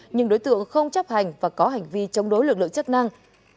nhưng đối tượng không chấp hành và có hành vi chống đối lực lượng chức năng